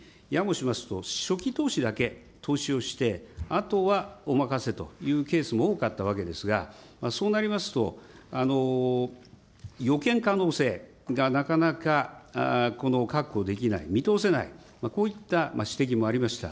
しますと、初期投資だけ投資をして、あとはお任せというケースも多かったわけですが、そうなりますと、予見可能性がなかなか確保できない、見通せない、こういった指摘もありました。